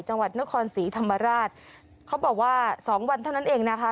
จังหวัดนครศรีธรรมราชเขาบอกว่าสองวันเท่านั้นเองนะคะ